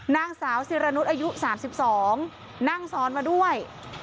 นางสาวศิรนุษย์อายุ๓๒นั่งซ้อนมาด้วย